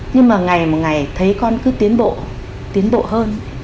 nhưng mà ngày một ngày thấy con cứ tiến bộ tiến bộ hơn